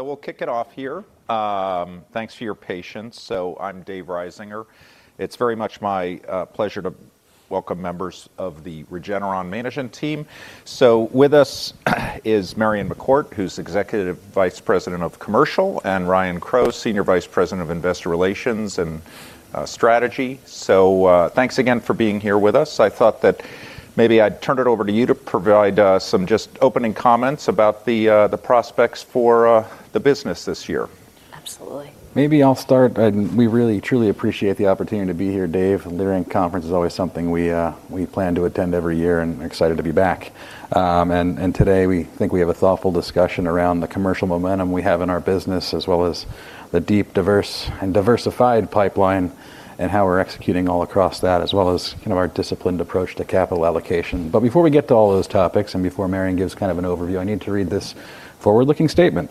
We'll kick it off here. Thanks for your patience. I'm Dave Risinger. It's very much my pleasure to welcome members of the Regeneron management team. With us is Marion McCourt, who's Executive Vice President of Commercial, and Ryan Crowe, Senior Vice President of Investor Relations and Strategy. Thanks again for being here with us. I thought that maybe I'd turn it over to you to provide some just opening comments about the prospects for the business this year. Absolutely. Maybe I'll start. We really, truly appreciate the opportunity to be here, Dave. Leerink Conference is always something we plan to attend every year and excited to be back. Today, we think we have a thoughtful discussion around the commercial momentum we have in our business, as well as the deep, diverse, and diversified pipeline and how we're executing all across that, as well as, you know, our disciplined approach to capital allocation. Before we get to all those topics and before Marion gives kind of an overview, I need to read this forward-looking statement.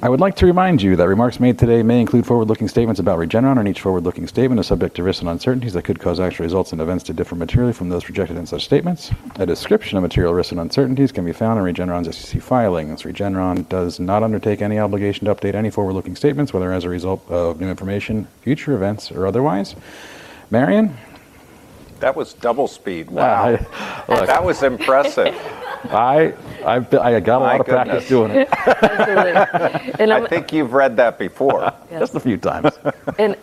I would like to remind you that remarks made today may include forward-looking statements about Regeneron, and each forward-looking statement is subject to risks and uncertainties that could cause actual results and events to differ materially from those projected in such statements. A description of material risks and uncertainties can be found in Regeneron's SEC filings. Regeneron does not undertake any obligation to update any forward-looking statements, whether as a result of new information, future events, or otherwise. Marion? That was double speed. Wow. Look- That was impressive. I got a lot of practice doing it. My goodness. Absolutely. I think you've read that before. Just a few times.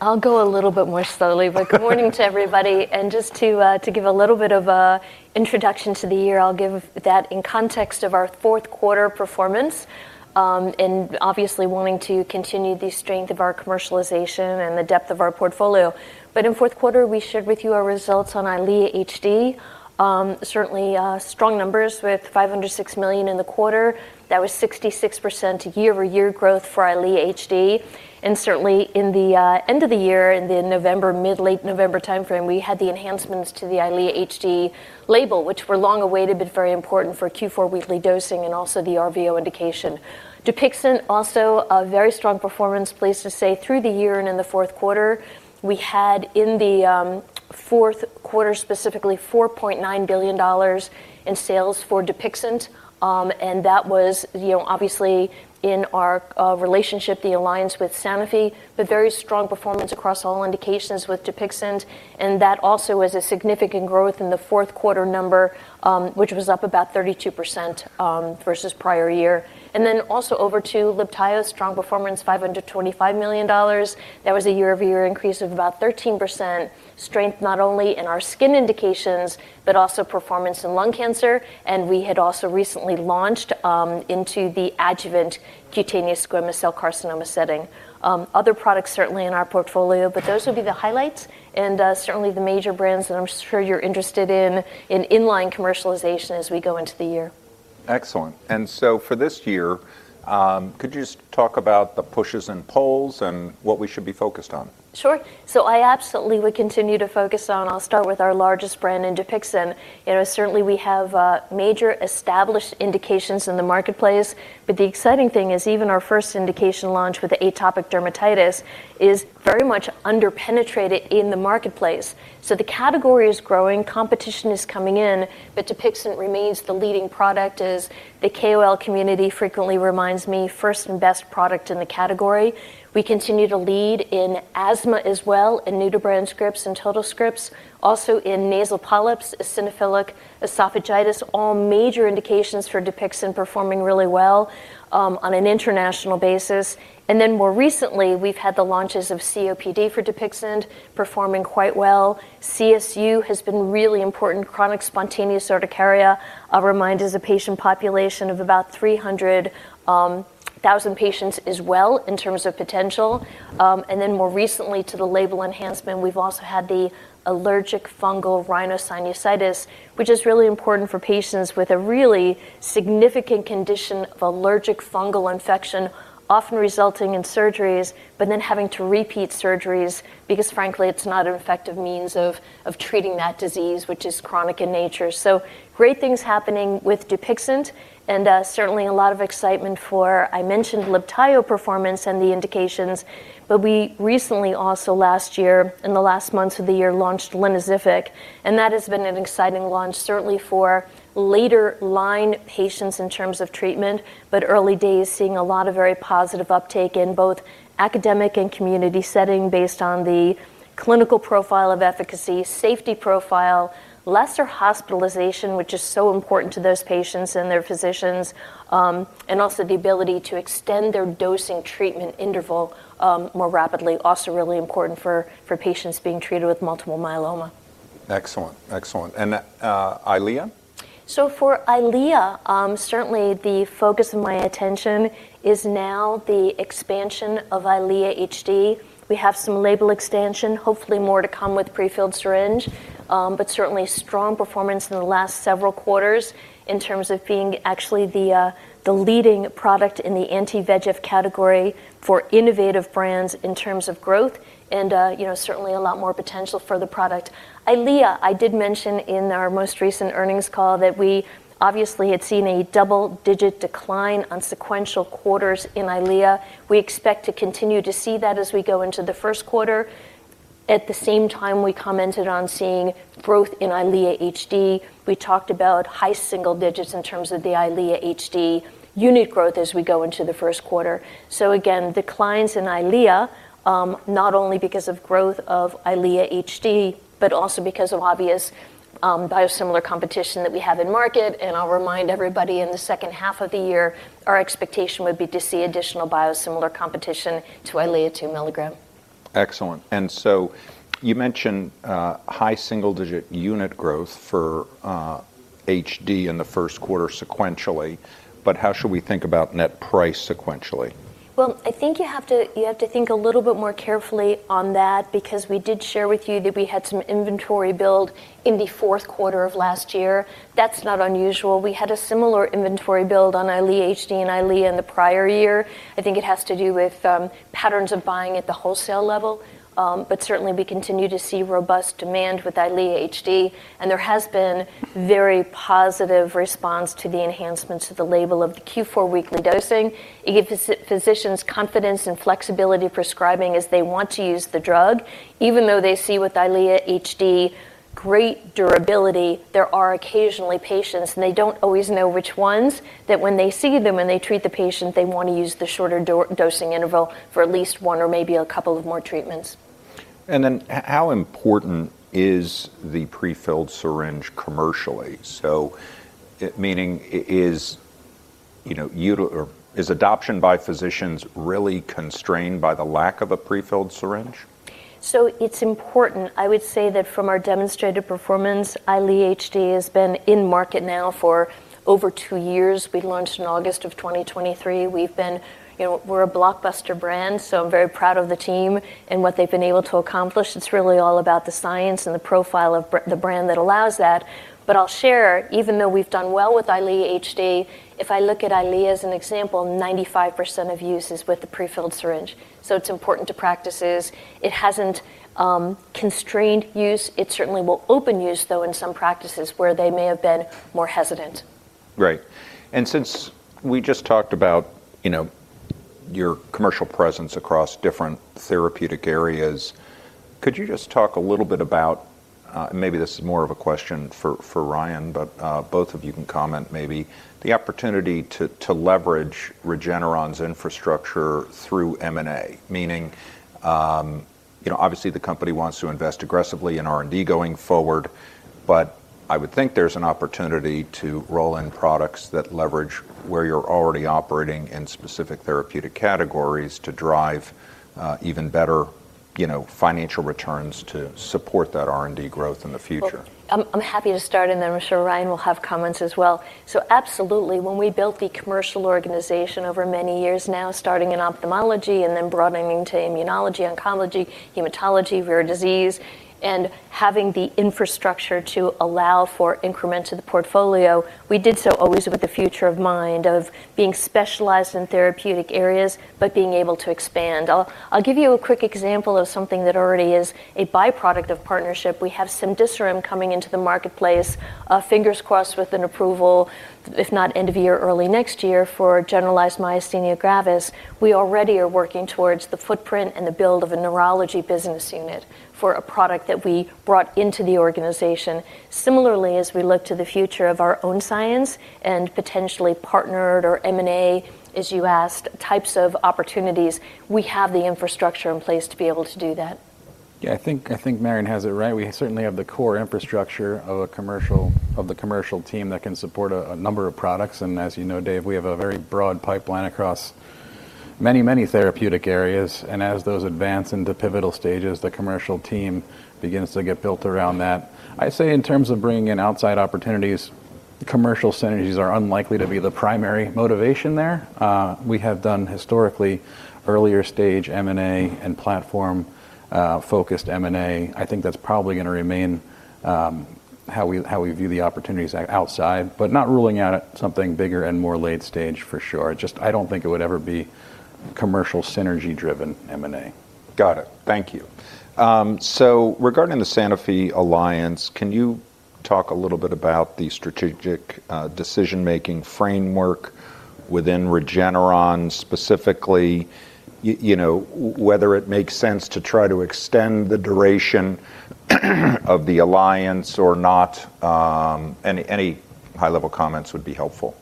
I'll go a little bit more slowly. Good morning to everybody. Just to give a little bit of a introduction to the year, I'll give that in context of our fourth quarter performance, and obviously wanting to continue the strength of our commercialization and the depth of our portfolio. In fourth quarter, we shared with you our results on EYLEA HD. Certainly, strong numbers with $506 million in the quarter. That was 66% year-over-year growth for EYLEA HD. Certainly, in the end of the year, in November, mid- to late-November timeframe, we had the enhancements to the EYLEA HD label, which were long awaited, but very important for Q4 weekly dosing and also the RVO indication. DUPIXENT also a very strong performance pleased to say through the year and in the fourth quarter. We had in the fourth quarter, specifically, $4.9 billion in sales for DUPIXENT. That was, you know, obviously in our relationship, the alliance with Sanofi, but very strong performance across all indications with DUPIXENT. That also is a significant growth in the fourth quarter number, which was up about 32%, versus prior year. Then also over to Libtayo, strong performance, $525 million. That was a year-over-year increase of about 13%. Strength not only in our skin indications, but also performance in lung cancer. We had also recently launched into the adjuvant cutaneous squamous cell carcinoma setting. Other products certainly in our portfolio, but those would be the highlights and certainly the major brands that I'm sure you're interested in inline commercialization as we go into the year. Excellent. For this year, could you just talk about the pushes and pulls and what we should be focused on? Sure. I absolutely would continue to focus on. I'll start with our largest brand in DUPIXENT. You know, certainly we have major established indications in the marketplace, but the exciting thing is even our first indication launch with atopic dermatitis is very much under-penetrated in the marketplace. The category is growing, competition is coming in, but DUPIXENT remains the leading product, as the KOL community frequently reminds me, first and best product in the category. We continue to lead in asthma as well, in new-to-brand scripts and total scripts, also in nasal polyps, eosinophilic esophagitis, all major indications for DUPIXENT performing really well on an international basis. Then more recently, we've had the launches of COPD for DUPIXENT performing quite well. CSU has been really important, chronic spontaneous urticaria. It is a patient population of about 300,000 patients as well in terms of potential. Then more recently to the label enhancement, we've also had the allergic fungal rhinosinusitis, which is really important for patients with a really significant condition of allergic fungal infection, often resulting in surgeries, but then having to repeat surgeries because frankly, it's not an effective means of treating that disease, which is chronic in nature. Great things happening with DUPIXENT and certainly a lot of excitement for. I mentioned Libtayo performance and the indications, but we recently also last year, in the last months of the year, launched LYNOZYFIC, and that has been an exciting launch, certainly for later line patients in terms of treatment. Early days, seeing a lot of very positive uptake in both academic and community setting based on the clinical profile of efficacy, safety profile, lesser hospitalization, which is so important to those patients and their physicians, and also the ability to extend their dosing treatment interval, more rapidly, also really important for patients being treated with multiple myeloma. Excellent. And EYLEA? For EYLEA, certainly the focus of my attention is now the expansion of EYLEA HD. We have some label extension, hopefully more to come with pre-filled syringe, but certainly strong performance in the last several quarters in terms of being actually the leading product in the anti-VEGF category for innovative brands in terms of growth and, you know, certainly a lot more potential for the product. EYLEA, I did mention in our most recent earnings call that we obviously had seen a double-digit decline on sequential quarters in EYLEA. We expect to continue to see that as we go into the first quarter. At the same time, we commented on seeing growth in EYLEA HD. We talked about high single digits in terms of the EYLEA HD unit growth as we go into the first quarter. Again, declines in EYLEA, not only because of growth of EYLEA HD, but also because of obvious, biosimilar competition that we have in market, and I'll remind everybody in the second half of the year, our expectation would be to see additional biosimilar competition to EYLEA 2 mg. Excellent. You mentioned high single-digit unit growth for HD in the first quarter sequentially, but how should we think about net price sequentially? Well, I think you have to think a little bit more carefully on that because we did share with you that we had some inventory build in the fourth quarter of last year. That's not unusual. We had a similar inventory build on EYLEA HD and EYLEA in the prior year. I think it has to do with patterns of buying at the wholesale level. But certainly we continue to see robust demand with EYLEA HD, and there has been very positive response to the enhancements to the label of the Q4 weekly dosing. It gives physicians confidence in flexible prescribing as they want to use the drug. Even though they see with EYLEA HD great durability, there are occasionally patients, and they don't always know which ones, that when they see them, when they treat the patient, they wanna use the shorter dosing interval for at least one or maybe a couple of more treatments. How important is the pre-filled syringe commercially? Meaning is, you know, utilization or is adoption by physicians really constrained by the lack of a pre-filled syringe? It's important. I would say that from our demonstrated performance, EYLEA HD has been in market now for over two years. We launched in August of 2023. We've been... You know, we're a blockbuster brand, so I'm very proud of the team and what they've been able to accomplish. It's really all about the science and the profile of the brand that allows that. I'll share, even though we've done well with EYLEA HD, if I look at EYLEA as an example, 95% of use is with the pre-filled syringe. It's important to practices. It hasn't constrained use. It certainly will open use though in some practices where they may have been more hesitant. Great. Since we just talked about, you know, your commercial presence across different therapeutic areas, could you just talk a little bit about maybe this is more of a question for Ryan, but both of you can comment maybe, the opportunity to leverage Regeneron's infrastructure through M&A. Meaning, you know, obviously the company wants to invest aggressively in R&D going forward, but I would think there's an opportunity to roll in products that leverage where you're already operating in specific therapeutic categories to drive even better, you know, financial returns to support that R&D growth in the future. Well, I'm happy to start, and then I'm sure Ryan will have comments as well. Absolutely, when we built the commercial organization over many years now, starting in ophthalmology and then broadening to immunology, oncology, hematology, rare disease, and having the infrastructure to allow for incremental to the portfolio, we did so always with the future in mind of being specialized in therapeutic areas, but being able to expand. I'll give you a quick example of something that already is a byproduct of partnership. We have cemdisiran coming into the marketplace, fingers crossed with an approval, if not end of year, early next year for generalized myasthenia gravis. We already are working towards the footprint and the build of a neurology business unit for a product that we brought into the organization. Similarly, as we look to the future of our own science and potentially partnered or M&A, as you asked, types of opportunities, we have the infrastructure in place to be able to do that. Yeah, I think Marion has it right. We certainly have the core infrastructure of the commercial team that can support a number of products. As you know, Dave, we have a very broad pipeline across many, many therapeutic areas, and as those advance into pivotal stages, the commercial team begins to get built around that. I say in terms of bringing in outside opportunities, commercial synergies are unlikely to be the primary motivation there. We have done historically earlier stage M&A and platform focused M&A. I think that's probably gonna remain how we view the opportunities outside, but not ruling out something bigger and more late stage for sure. Just I don't think it would ever be commercial synergy driven M&A. Got it. Thank you. Regarding the Sanofi alliance, can you talk a little bit about the strategic decision-making framework within Regeneron, specifically, you know, whether it makes sense to try to extend the duration of the alliance or not? Any high-level comments would be helpful.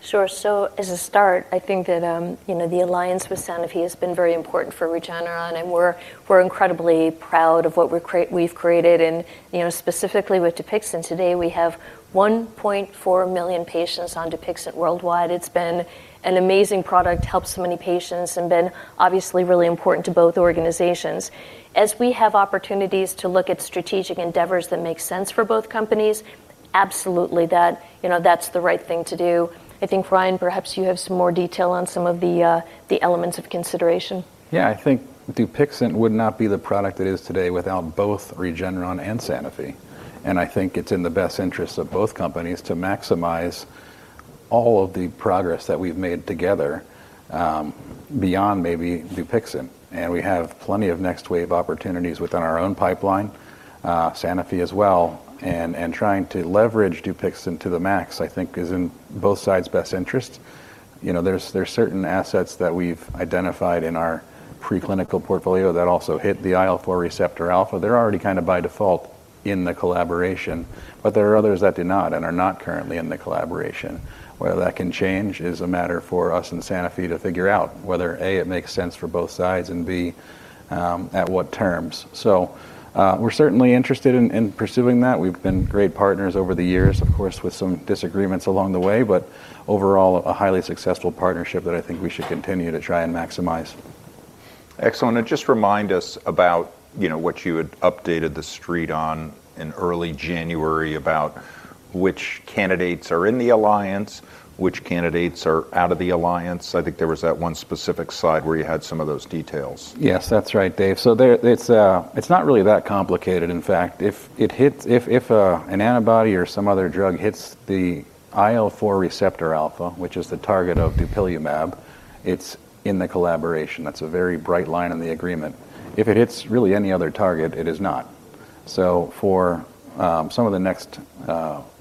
Sure. As a start, I think that, you know, the alliance with Sanofi has been very important for Regeneron, and we're incredibly proud of what we've created and, you know, specifically with DUPIXENT today, we have 1.4 million patients on DUPIXENT worldwide. It's been an amazing product, helped so many patients and been obviously really important to both organizations. As we have opportunities to look at strategic endeavors that make sense for both companies, absolutely, that, you know, that's the right thing to do. I think, Ryan, perhaps you have some more detail on some of the elements of consideration. Yeah. I think DUPIXENT would not be the product it is today without both Regeneron and Sanofi, and I think it's in the best interest of both companies to maximize all of the progress that we've made together, beyond maybe DUPIXENT. We have plenty of next wave opportunities within our own pipeline, Sanofi as well, and trying to leverage DUPIXENT to the max, I think is in both sides' best interest. You know, there's certain assets that we've identified in our preclinical portfolio that also hit the IL-4 receptor alpha. They're already kind of by default in the collaboration, but there are others that do not, and are not currently in the collaboration. Whether that can change is a matter for us and Sanofi to figure out, whether A, it makes sense for both sides, and B, at what terms. We're certainly interested in pursuing that. We've been great partners over the years, of course with some disagreements along the way. Overall a highly successful partnership that I think we should continue to try and maximize. Excellent. Now just remind us about, you know, what you had updated the street on in early January about which candidates are in the alliance, which candidates are out of the alliance. I think there was that one specific slide where you had some of those details. Yes. That's right, Dave. It's not really that complicated in fact. If an antibody or some other drug hits the IL-4 receptor alpha, which is the target of dupilumab, it's in the collaboration. That's a very bright line in the agreement. If it hits really any other target, it is not. For some of the next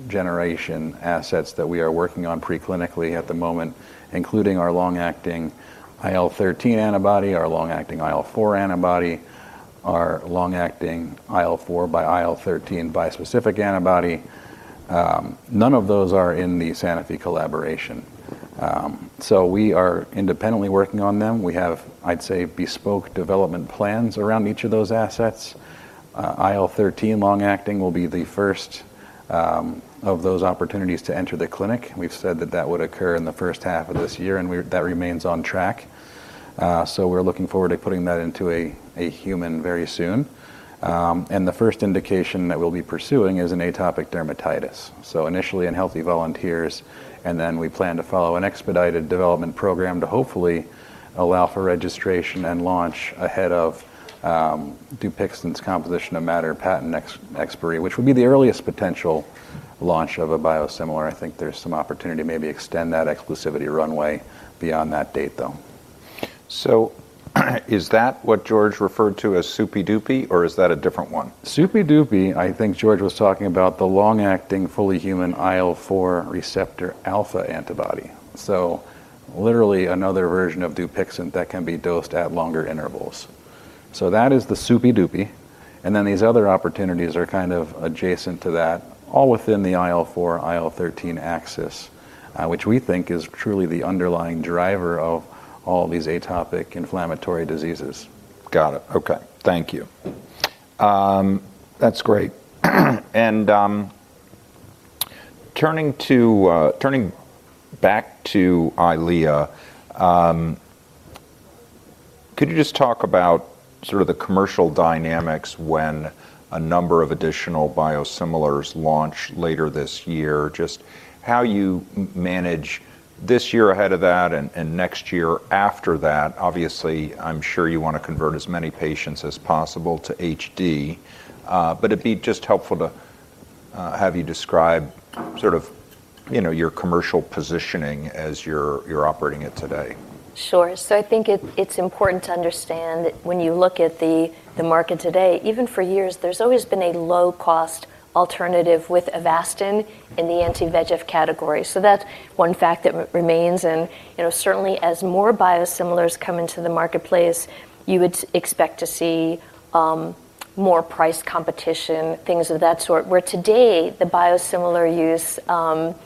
generation assets that we are working on preclinically at the moment, including our long-acting IL-13 antibody, our long-acting IL-4 antibody, our long-acting IL-4/IL-13 bispecific antibody, none of those are in the Sanofi collaboration. We are independently working on them. We have, I'd say, bespoke development plans around each of those assets. IL-13 long-acting will be the first of those opportunities to enter the clinic. We've said that that would occur in the first half of this year, and that remains on track. We're looking forward to putting that into a human very soon. The first indication that we'll be pursuing is in atopic dermatitis. Initially in healthy volunteers, and then we plan to follow an expedited development program to hopefully allow for registration and launch ahead of DUPIXENT's composition of matter patent expiry, which would be the earliest potential launch of a biosimilar. I think there's some opportunity to maybe extend that exclusivity runway beyond that date, though. Is that what George referred to as Supi-dupi, or is that a different one? Supi-dupi, I think George was talking about the long-acting, fully human IL-4 receptor alpha antibody. Literally another version of DUPIXENT that can be dosed at longer intervals. That is the Supi-dupi, and then these other opportunities are kind of adjacent to that, all within the IL-4, IL-13 axis, which we think is truly the underlying driver of all these atopic inflammatory diseases. Got it. Okay. Thank you. That's great. Turning back to EYLEA, could you just talk about sort of the commercial dynamics when a number of additional biosimilars launch later this year? Just how you manage this year ahead of that and next year after that. Obviously, I'm sure you wanna convert as many patients as possible to HD, but it'd be just helpful to have you describe sort of, you know, your commercial positioning as you're operating it today. Sure. I think it's important to understand that when you look at the market today, even for years, there's always been a low-cost alternative with Avastin in the anti-VEGF category. That's one fact that remains in. You know, certainly as more biosimilars come into the marketplace, you would expect to see more price competition, things of that sort. Where today, the biosimilar use of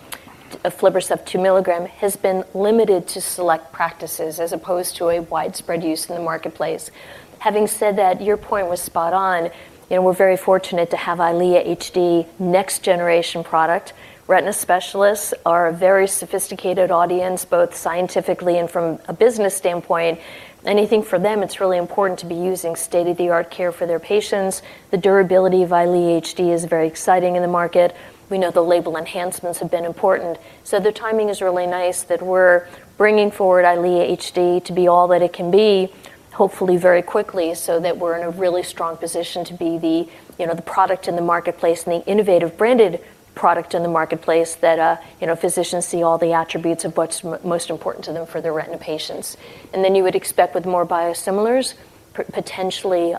aflibercept 2 mg has been limited to select practices as opposed to a widespread use in the marketplace. Having said that, your point was spot on. You know, we're very fortunate to have EYLEA HD next generation product. Retina specialists are a very sophisticated audience, both scientifically and from a business standpoint. I think for them it's really important to be using state-of-the-art care for their patients. The durability of EYLEA HD is very exciting in the market. We know the label enhancements have been important. The timing is really nice that we're bringing forward EYLEA HD to be all that it can be, hopefully very quickly, so that we're in a really strong position to be the, you know, the product in the marketplace and the innovative branded product in the marketplace that, you know, physicians see all the attributes of what's most important to them for their retina patients. You would expect with more biosimilars, potentially,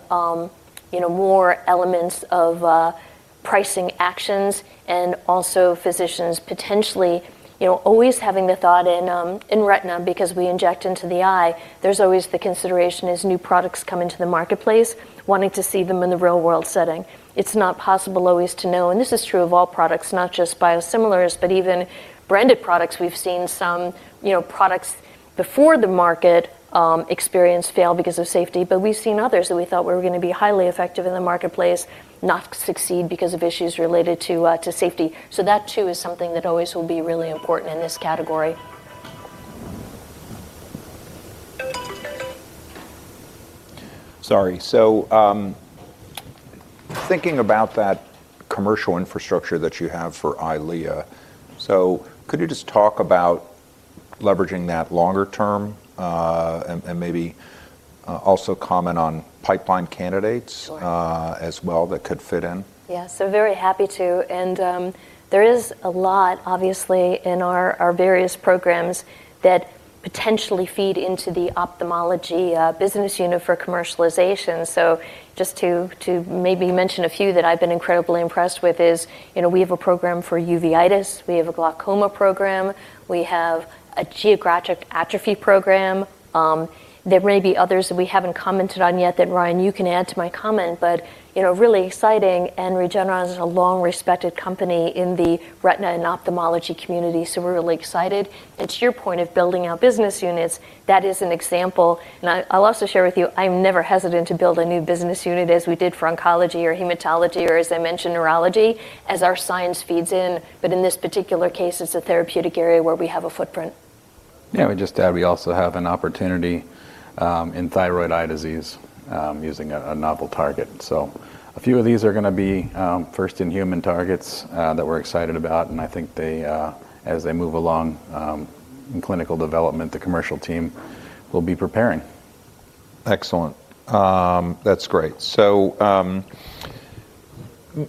you know, more elements of, pricing actions and also physicians potentially, you know, always having the thought in retina because we inject into the eye, there's always the consideration as new products come into the marketplace, wanting to see them in the real world setting. It's not possible always to know, and this is true of all products, not just biosimilars, but even branded products. We've seen some, you know, products before the market experience fail because of safety, but we've seen others that we thought were gonna be highly effective in the marketplace not succeed because of issues related to to safety. That too is something that always will be really important in this category. Sorry. Thinking about that commercial infrastructure that you have for EYLEA, could you just talk about leveraging that longer term, and maybe also comment on pipeline candidates? Sure As well that could fit in. Yeah, very happy to. There is a lot obviously in our various programs that potentially feed into the ophthalmology business unit for commercialization. Just to maybe mention a few that I've been incredibly impressed with is, you know, we have a program for uveitis, we have a glaucoma program, we have a geographic atrophy program. There may be others that we haven't commented on yet that, Ryan, you can add to my comment, but, you know, really exciting and Regeneron is a long-respected company in the retina and ophthalmology community, we're really excited. To your point of building out business units, that is an example, and I'll also share with you, I'm never hesitant to build a new business unit as we did for oncology or hematology or as I mentioned, neurology, as our science feeds in, but in this particular case, it's a therapeutic area where we have a footprint. Yeah. I would just add, we also have an opportunity in thyroid eye disease using a novel target. A few of these are gonna be first in human targets that we're excited about, and I think they as they move along in clinical development, the commercial team will be preparing. Excellent. That's great.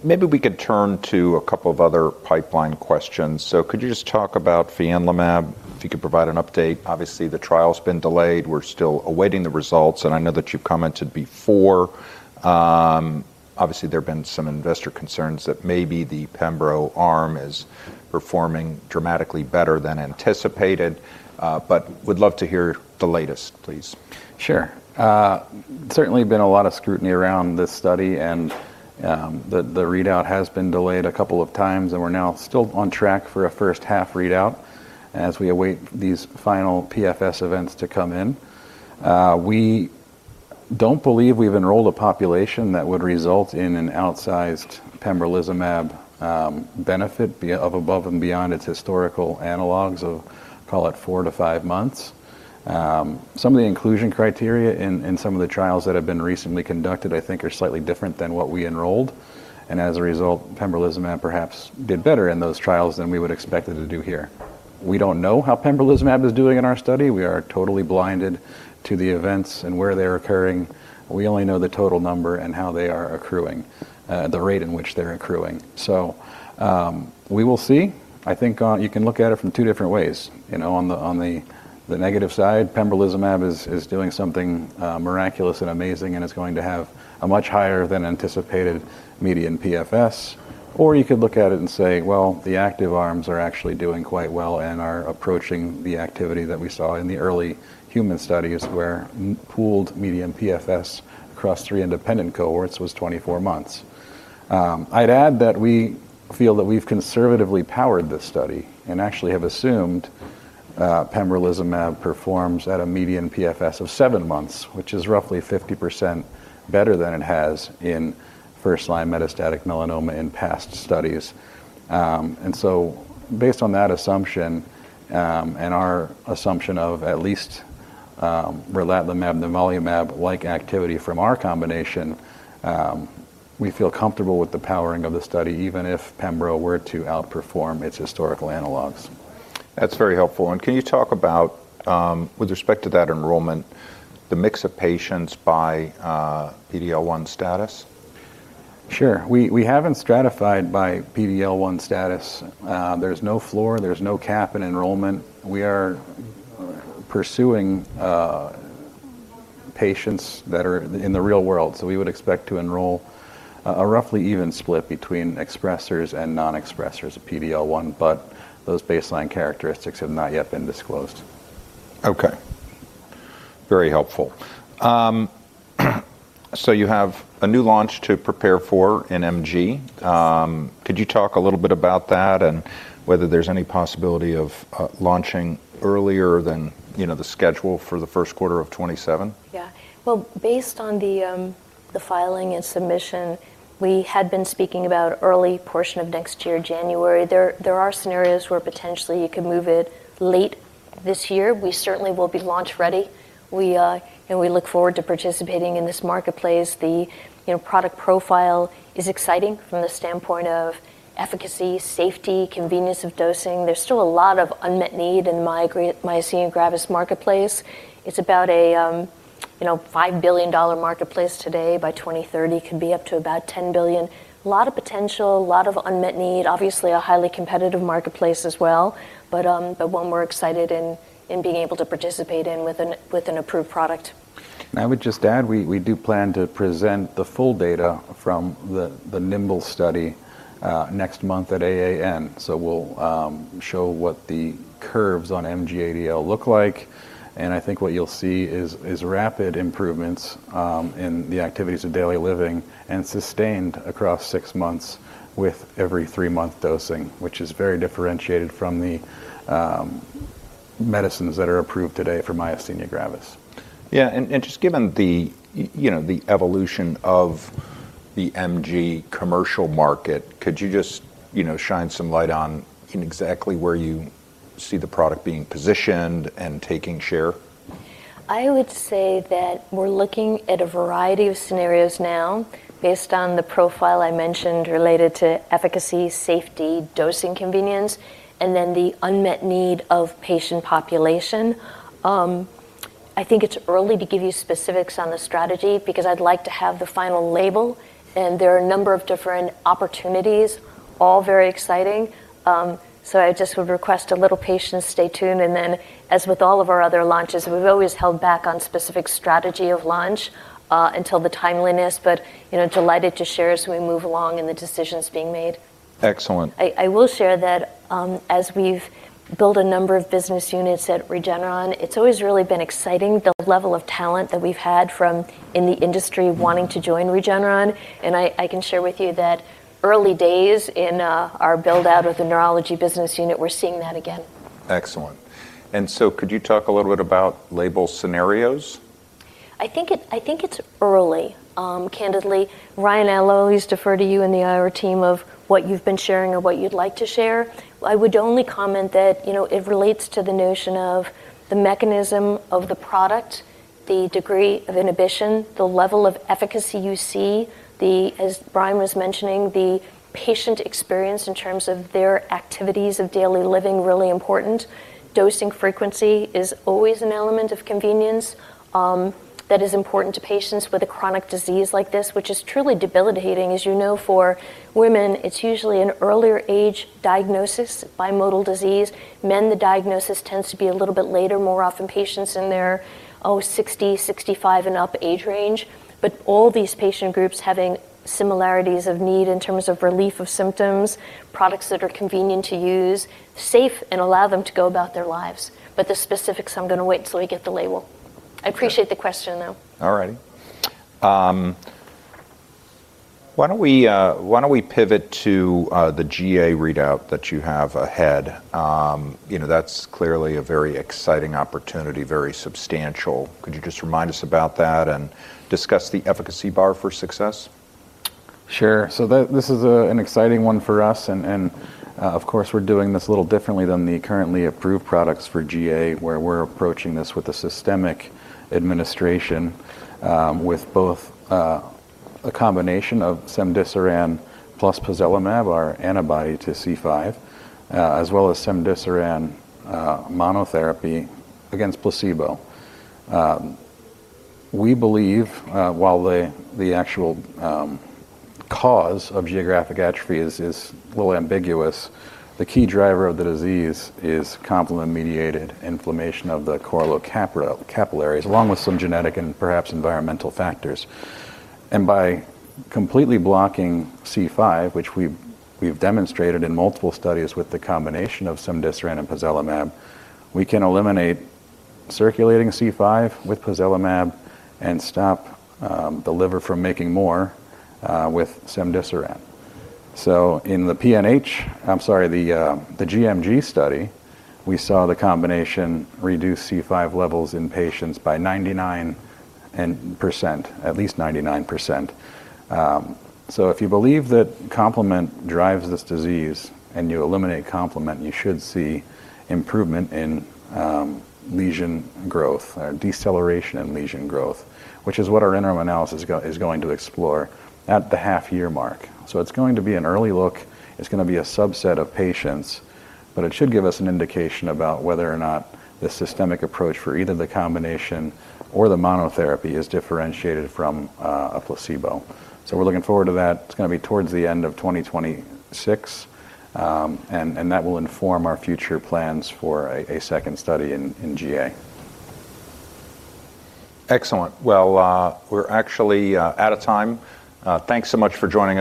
Maybe we could turn to a couple of other pipeline questions. Could you just talk about fianlimab, if you could provide an update? Obviously, the trial's been delayed. We're still awaiting the results, and I know that you've commented before. Obviously there have been some investor concerns that maybe the pembro arm is performing dramatically better than anticipated, but would love to hear the latest, please. Sure. Certainly been a lot of scrutiny around this study and the readout has been delayed a couple of times, and we're now still on track for a first-half readout as we await these final PFS events to come in. We don't believe we've enrolled a population that would result in an outsized pembrolizumab benefit of above and beyond its historical analogs of, call it 4-5 months. Some of the inclusion criteria in some of the trials that have been recently conducted, I think are slightly different than what we enrolled, and as a result, pembrolizumab perhaps did better in those trials than we would expect it to do here. We don't know how pembrolizumab is doing in our study. We are totally blinded to the events and where they're occurring. We only know the total number and how they are accruing the rate in which they're accruing. We will see. I think you can look at it from two different ways. You know, on the negative side, pembrolizumab is doing something miraculous and amazing, and it's going to have a much higher than anticipated median PFS. You could look at it and say, "Well, the active arms are actually doing quite well and are approaching the activity that we saw in the early human studies where pooled median PFS across three independent cohorts was 24 months." I'd add that we feel that we've conservatively powered this study and actually have assumed pembrolizumab performs at a median PFS of seven months, which is roughly 50% better than it has in first-line metastatic melanoma in past studies. Based on that assumption, and our assumption of at least relatlimab, nivolumab-like activity from our combination, we feel comfortable with the powering of the study, even if pembro were to outperform its historical analogs. That's very helpful. Can you talk about, with respect to that enrollment, the mix of patients by PD-L1 status? Sure. We haven't stratified by PD-L1 status. There's no floor, there's no cap in enrollment. We are pursuing patients that are in the real world, so we would expect to enroll a roughly even split between expressers and non-expressers of PD-L1, but those baseline characteristics have not yet been disclosed. Okay. Very helpful. You have a new launch to prepare for in MG. Could you talk a little bit about that and whether there's any possibility of launching earlier than the schedule for the first quarter of 2027? Yeah. Well, based on the filing and submission, we had been speaking about early portion of next year, January. There are scenarios where potentially you could move it late this year. We certainly will be launch ready. You know, we look forward to participating in this marketplace. The product profile is exciting from the standpoint of efficacy, safety, convenience of dosing. There's still a lot of unmet need in myasthenia gravis marketplace. It's about a $5 billion marketplace today. By 2030, it could be up to about $10 billion. A lot of potential, a lot of unmet need. Obviously, a highly competitive marketplace as well, but one we're excited in being able to participate in with an approved product. I would just add, we do plan to present the full data from the NIMBLE study next month at AAN. We'll show what the curves on MG-ADL look like, and I think what you'll see is rapid improvements in the activities of daily living and sustained across six months with every three-month dosing, which is very differentiated from the medicines that are approved today for myasthenia gravis. Just given the, you know, the evolution of the MG commercial market, could you just, you know, shine some light on exactly where you see the product being positioned and taking share? I would say that we're looking at a variety of scenarios now based on the profile I mentioned related to efficacy, safety, dosing convenience, and then the unmet need of patient population. I think it's early to give you specifics on the strategy because I'd like to have the final label, and there are a number of different opportunities, all very exciting. I just would request a little patience. Stay tuned and then as with all of our other launches, we've always held back on specific strategy of launch until the timeliness, but you know, delighted to share as we move along in the decisions being made. Excellent. I will share that, as we've built a number of business units at Regeneron, it's always really been exciting, the level of talent that we've had from the industry wanting to join Regeneron, and I can share with you that in the early days of our build-out of the neurology business unit, we're seeing that again. Excellent. Could you talk a little bit about label scenarios? I think it's early. Candidly, Ryan, I'll always defer to you and the IR team on what you've been sharing or what you'd like to share. I would only comment that, you know, it relates to the notion of the mechanism of the product, the degree of inhibition, the level of efficacy you see, as Ryan was mentioning, the patient experience in terms of their activities of daily living, really important. Dosing frequency is always an element of convenience, that is important to patients with a chronic disease like this, which is truly debilitating. As you know, for women, it's usually an earlier age diagnosis, bimodal disease. Men, the diagnosis tends to be a little bit later, more often patients in their 65 and up age range. All these patient groups having similarities of need in terms of relief of symptoms, products that are convenient to use, safe and allow them to go about their lives. The specifics, I'm gonna wait until we get the label. I appreciate the question, though. All righty. Why don't we pivot to the GA readout that you have ahead? You know, that's clearly a very exciting opportunity, very substantial. Could you just remind us about that and discuss the efficacy bar for success? Sure. This is an exciting one for us and, of course, we're doing this a little differently than the currently approved products for GA, where we're approaching this with a systemic administration, with both a combination of cemdisiran plus pozelimab, our antibody to C5, as well as cemdisiran monotherapy against placebo. We believe, while the actual cause of geographic atrophy is a little ambiguous, the key driver of the disease is complement-mediated inflammation of the choroid capillaries along with some genetic and perhaps environmental factors. By completely blocking C5, which we've demonstrated in multiple studies with the combination of cemdisiran and pozelimab, we can eliminate circulating C5 with pozelimab and stop the liver from making more with cemdisiran. In the GMG study, we saw the combination reduce C5 levels in patients by at least 99%. If you believe that complement drives this disease and you eliminate complement, you should see improvement in lesion growth, deceleration in lesion growth, which is what our interim analysis is going to explore at the half-year mark. It's going to be an early look. It's gonna be a subset of patients, but it should give us an indication about whether or not the systemic approach for either the combination or the monotherapy is differentiated from a placebo. We're looking forward to that. It's gonna be towards the end of 2026, and that will inform our future plans for a second study in GA. Excellent. Well, we're actually out of time. Thanks so much for joining us.